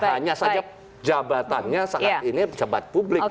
hanya saja jabatannya saat ini pejabat publik